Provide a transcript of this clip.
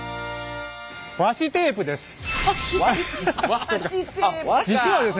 和紙テープです。